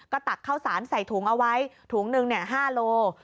ก็ตักข้าวสารใส่ถุงเอาไว้ถุงหนึ่ง๕โล